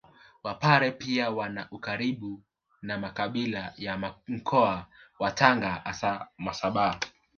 Wapare pia wana ukaribu na makabila ya Mkoa wa Tanga hasa Wasambaa